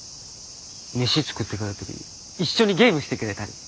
飯作ってくれたり一緒にゲームしてくれたり。